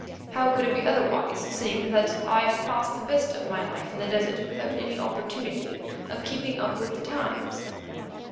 How could it be otherwise, seeing that I have passed the best of my life in the desert without any opportunity of keeping up with the times.